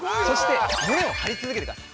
胸を張り続けてください。